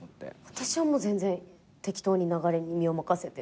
私は全然適当に流れに身を任せてというか。